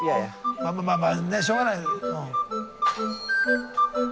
まあまあしょうがない。